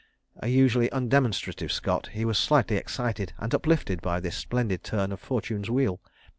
A usually undemonstrative Scot, he was slightly excited and uplifted by this splendid turn of Fortune's wheel.